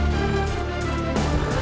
satu lawan satu tiga puluh dua